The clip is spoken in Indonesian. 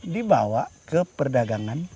dibawa ke perdagangan